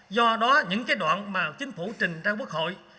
do đó những cái đoạn mà chính phủ trình ra quốc hội